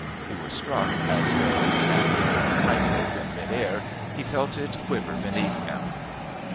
He was struck as though, standing on a tight rope in mid air, he felt it quiver beneath him.